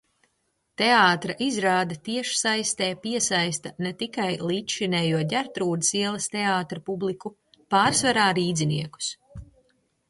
Teātra izrāde tiešsaistē piesaista ne tikai līdzšinējo Ģertrūdes ielas teātra publiku, pārsvarā rīdziniekus.